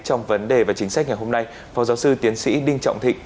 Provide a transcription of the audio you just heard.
trong vấn đề và chính sách ngày hôm nay phó giáo sư tiến sĩ đinh trọng thịnh